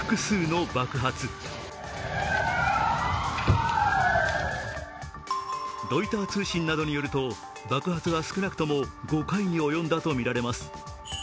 ロイター通信などによると、爆発は少なくとも５回に及んだとみられます。